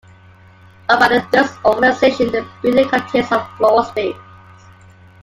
Owned by the Durst Organization, the building contains of floor space.